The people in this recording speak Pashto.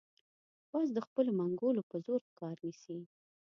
باز د خپلو منګولو په زور ښکار نیسي